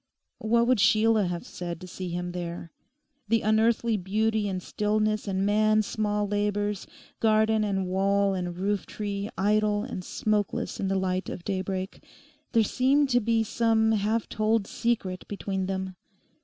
What would Sheila have said to see him there? The unearthly beauty and stillness, and man's small labours, garden and wall and roof tree idle and smokeless in the light of daybreak—there seemed to be some half told secret between them.